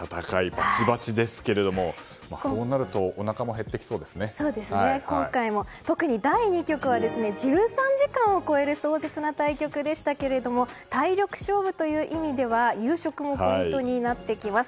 バチバチですけどもそうなると今回も特に第２局は１３時間を超える壮絶な対局でしたけども体力勝負という意味では夕食もポイントになってきます。